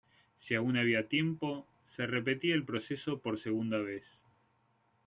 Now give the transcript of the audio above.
Si aún había tiempo, se repetía el proceso por segunda vez.